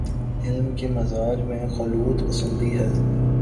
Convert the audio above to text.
علم کے مزاج میں خلوت پسندی ہے۔